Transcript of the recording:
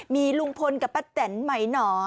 มีภรมคนจ์กับป้าแต่นจ์นมั้ยหนอ